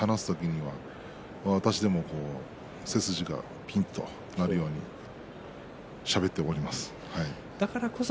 ちょっといつも話す時には私でも背筋がピンとなるようにしゃべっております。